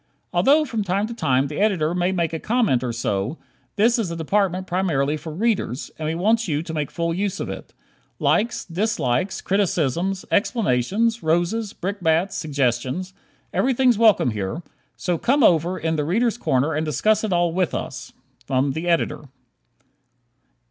Although from time to time the Editor may make a comment or so, this is a department primarily for Readers, and we want you to make full use of it. Likes, dislikes, criticisms, explanations, roses, brickbats, suggestions everything's welcome here: so "come over in 'The Readers' Corner'" and discuss it with all of us! _ The Editor.